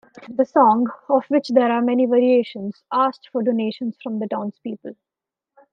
The song, of which there are many variations, asked for donations from the townspeople.